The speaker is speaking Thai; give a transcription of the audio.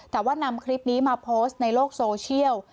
แต่ว่านำคลิปนี้มาโพสต์ในโลกโซเชียล